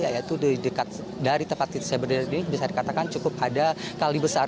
yaitu dari tempat saya berdiri ini bisa dikatakan cukup ada kali besar